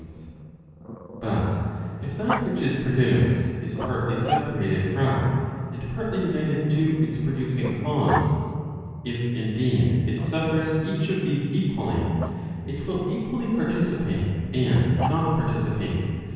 323 But if that which is produced, is partly separated from and partly united to its producing cause, if indeed, it suffers each of these equally, it will equally participate and not participate.